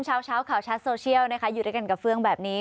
เช้าข่าวชัดโซเชียลนะคะอยู่ด้วยกันกับเฟื่องแบบนี้